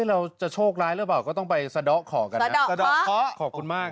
เราจะโชคร้ายหรือเปล่าก็ต้องไปสะดอกขอกันนะสะดอกเคาะขอบคุณมาก